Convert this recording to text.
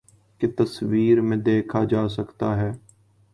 کی تصاویر میں دیکھا جاسکتا ہے